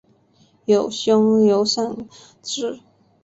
有兄刘尚质。